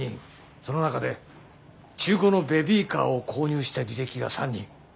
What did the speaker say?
その中で中古のベビーカーを購入した履歴が３人。